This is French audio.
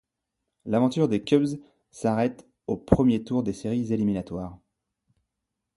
L'aventure des Cubs s'arrête au premier tour des séries éliminatoires.